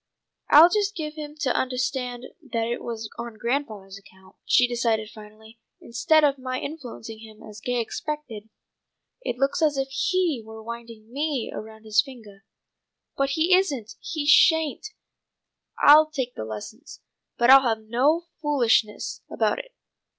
"I'll just give him to undahstand that it was on grandfathah's account," she decided finally. "Instead of my influencing him as Gay expected, it looks as if he were winding me around his fingah. But he isn't! He sha'n't! I'll take the lessons, but I'll have no foolishness about it.